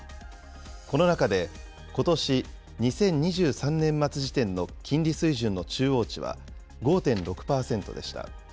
この中で、ことし・２０２３年末時点の金利水準の中央値は５．６％でした。